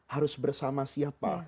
harus bersama siapa